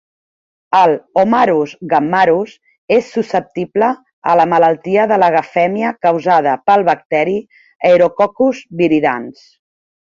El "Homarus gammarus" és susceptible a la malaltia de la gafèmia causada pel bacteri "Aerococcus viridans".